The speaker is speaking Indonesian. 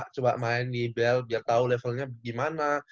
coba main di ibl biar tau levelnya gimana